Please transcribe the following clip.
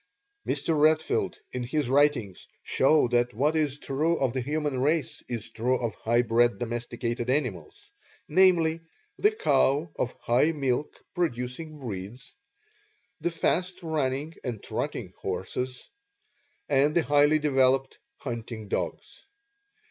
Mr. Redfield in his writings shows that what is true of the human race is true of high bred domesticated animals, namely, the cow of high milk producing breeds; the fast running and trotting horses; and the highly developed hunting dogs.